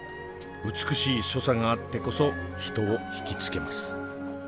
美しい所作があってこそ人を引き付けます。